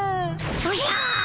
おじゃ！